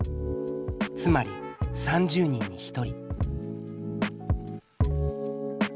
つまり３０人に１人。